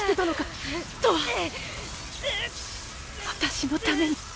私のために！